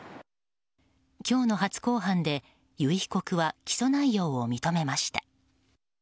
今日の初公判で由井被告は起訴内容を認めました。